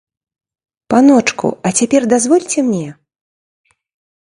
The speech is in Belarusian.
Паночку, а цяпер дазвольце мне?